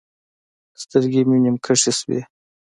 سترګې مې نيم کښې سوې.